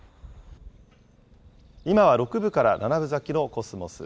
今は６分から７分咲きのコスモス。